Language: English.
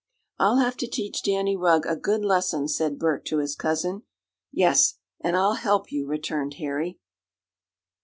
"I'll have to teach Danny Rugg a good lesson," said Bert to his cousin. "Yes, and I'll help you," returned Harry.